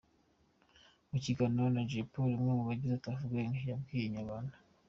Mu kiganiro na Jay Polly umwe mu bagize Tuff Gangz yabwiye Inyarwanda.